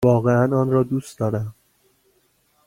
واقعا آن را دوست دارم!